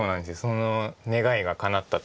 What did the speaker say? その願いがかなったと。